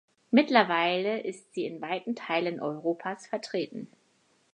Mittlerweile ist sie in weiten Teilen Europas vertreten.